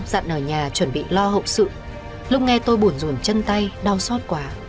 dặn ở nhà chuẩn bị lo hậu sự lúc nghe tôi buồn dồn chân tay đau xót quá